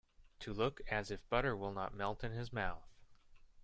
To look as if butter will not melt in his mouth.